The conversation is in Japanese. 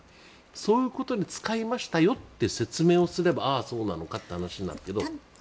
そういうことに使いましたよって説明をすればああ、そうなのかって話になるけど。